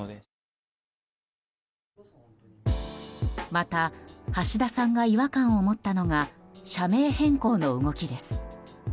また橋田さんが違和感を持ったのが社名変更の動きです。